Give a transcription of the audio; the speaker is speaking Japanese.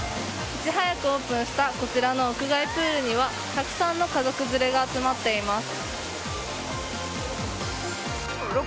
いち早くオープンしたこちらの屋外プールにはたくさんの家族連れが集まっています。